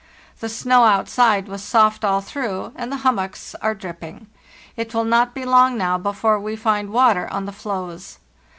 The snow outside was soft all through, and the hummocks are dripping. It will not be long now before we find water on the floes.